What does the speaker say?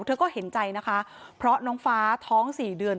เธอก็เห็นใจนะคะเพราะน้องฟ้าท้องสี่เดือน